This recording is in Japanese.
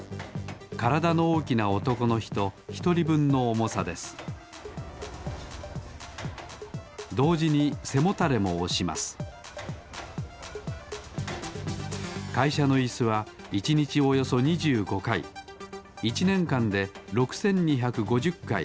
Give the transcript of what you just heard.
からだのおおきなおとこのひとひとりぶんのおもさですどうじにせもたれもおしますかいしゃのイスは１にちおよそ２５かい１ねんかんで６，２５０かい